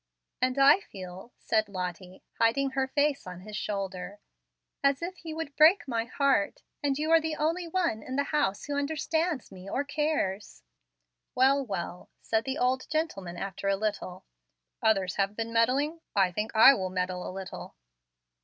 "And I feel," said Lottie, hiding her face on his shoulder, "as if he would break my heart, and you are the only one in the house who understands me or cares." "Well, well," said the old gentleman, after a little, "others have been meddling; I think I will meddle a little."